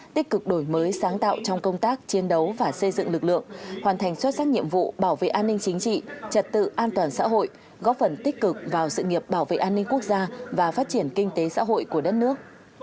tích cực đổi mới sáng tạo trong công tác chiến đấu và xây dựng lực lượng hoàn thành xuất sắc nhiệm vụ bảo vệ an ninh chính trị trật tự an toàn xã hội góp phần tích cực vào sự nghiệp bảo vệ an ninh quốc gia và phát triển kinh tế xã hội của đất nước